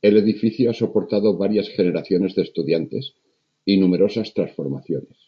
El edificio ha soportado varias generaciones de estudiantes y numerosas transformaciones.